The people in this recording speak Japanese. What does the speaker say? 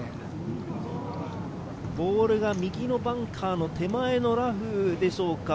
ボールが右のバンカーの手前のラフでしょうか？